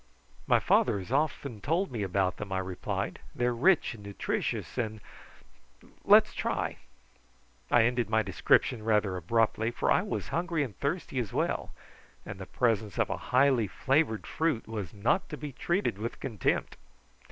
"My father has often told me about them," I replied. "They are rich and nutritious, and let's try." I ended my description rather abruptly, for I was thirsty and hungry as well, and the presence of a highly flavoured fruit was not to be treated with contempt.